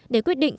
để quyết định